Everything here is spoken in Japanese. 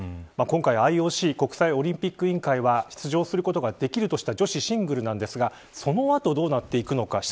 今回、ＩＯＣ国際オリンピック委員会は出場することができるとした女子シングルなんですがそのあと、どうなっていくのか。